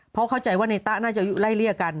เพราะเข้าใจว่าในตะน่าจะไล่เลี่ยกัน